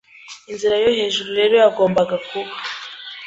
Inzira yo hejuru rero yagombaga kuba